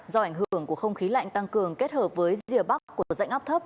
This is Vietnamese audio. do ảnh hưởng của không khí lạnh tăng cường kết hợp với rìa bắc của dạnh áp thấp